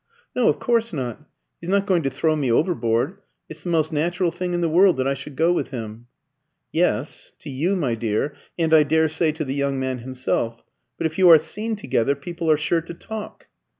"No, of course not. He's not going to throw me overboard. It's the most natural thing in the world that I should go with him." "Yes to you, my dear, and I daresay to the young man himself. But if you are seen together, people are sure to talk."